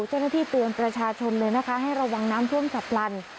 เจ้าหน้าที่เตือนประชาชนเลยนะคะให้ระวังน้ำท่วมฉับพลัน